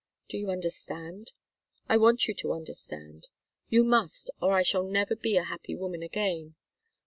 Do you understand? I want you to understand. You must, or I shall never be a happy woman again.